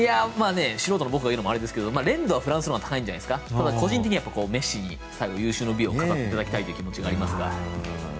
素人の僕が言うのもあれですけど練度はフランスのほうが高いと思うけど個人的にはメッシに有終の美を飾っていただきたい気持ちがありますが。